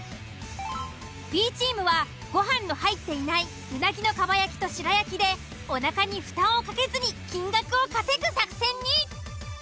Ｂチームはご飯の入っていないうなぎの蒲焼きと白焼きでおなかに負担をかけずに金額を稼ぐ作戦に。